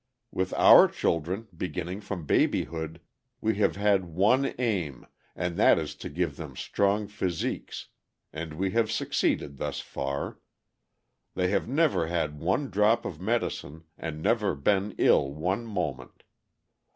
With our children, beginning from babyhood, we have had one aim, and that is to give them strong physiques, and we have succeeded thus far. They have never had one drop of medicine, and never been ill one moment.